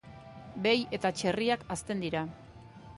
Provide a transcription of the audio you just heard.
Behi eta txerriak hazten dira.